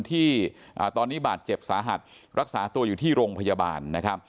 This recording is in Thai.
ที่ตอนนี้บาดเจ็บสาหัสรักษาตัวอยู่ที่โรงพยาบาลนะครับ